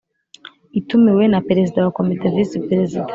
itumiwe na Perezida wa Komite Visi Prezida